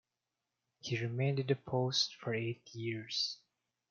He remained in the post for eight years.